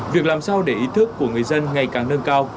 việc làm sao để ý thức của người dân ngày càng nâng cao